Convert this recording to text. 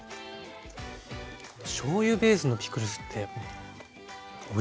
しょうゆベースのピクルスっておいしいですね。